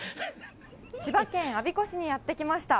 千葉県我孫子市にやって来ました。